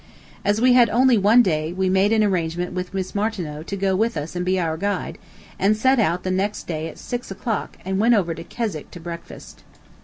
As we had only one day we made an arrangement with Miss Martineau to go with us and be our guide, and set out the next day at six o'clock and went over to Keswick to breakfast.